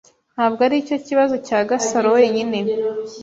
Ntabwo aricyo kibazo cya Gasaro wenyine.